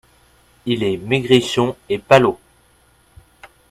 Il est maigrichon et palot.